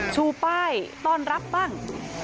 ชูป้ายต้อนรับบ้าง